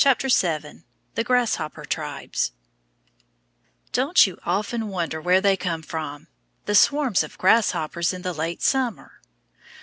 THE GRASSHOPPER TRIBES Don't you often wonder where they come from? The swarms of grasshoppers in the late summer?